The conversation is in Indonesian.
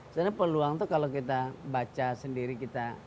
sebenarnya peluang itu kalau kita baca sendiri kita